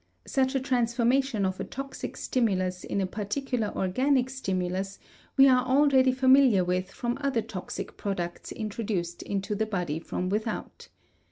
Such a transformation of a toxic stimulus in a particular organic stimulus we are already familiar with from other toxic products introduced into the body from without.